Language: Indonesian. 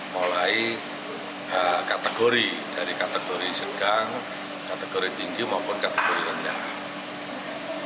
mulai kategori dari kategori sedang kategori tinggi maupun kategori rendah